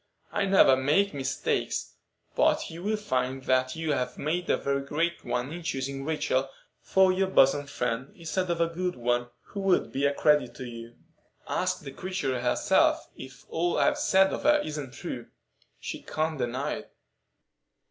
"I never make mistakes; but you will find that you have made a very great one in choosing Rachel for your bosom friend instead of some one who would be a credit to you. Ask the creature herself if all I've said of her isn't true. She can't deny it."